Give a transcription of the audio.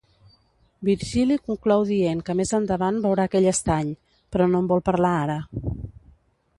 Virgili conclou dient que més endavant veurà aquell estany, però no en vol parlar ara.